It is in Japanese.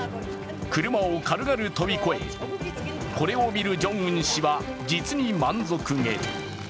車を軽々跳び越え、これを見るジョンウン氏は実に満足げ。